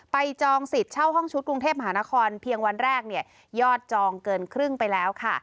จองสิทธิ์เช่าห้องชุดกรุงเทพมหานครเพียงวันแรกเนี่ยยอดจองเกินครึ่งไปแล้วค่ะ